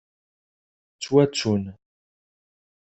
Ttwattun.